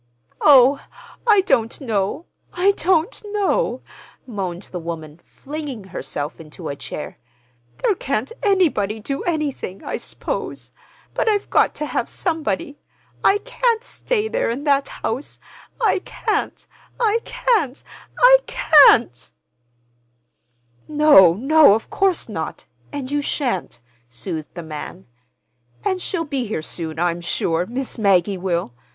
"Oh, I don't know—I don't know," moaned the woman, flinging herself into a chair. "There can't anybody do anything, I s'pose; but I've got to have somebody. I can't stay there in that house—I can't—I can't—I can't!" "No, no, of course not. And you shan't," soothed the man. "And she'll be here soon, I'm sure—Miss Maggie will.